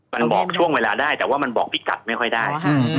มันบอกช่วงเวลาได้แต่ว่ามันบอกพิกัดไม่ค่อยได้